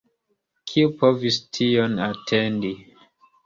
Kiu povis tion atendi!